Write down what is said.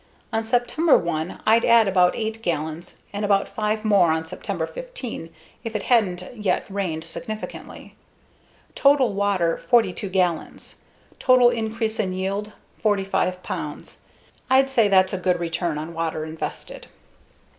On September 1 I'd add about 8 gallons and about 5 more on September 15 if it hadn't yet rained significantly. Total water: 42 gallons. Total increase in yield: 45 pounds. I'd say that's a good return on water invested.